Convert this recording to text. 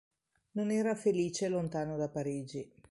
Non era felice lontano da Parigi.